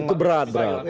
itu berat bro